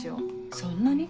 そんなに？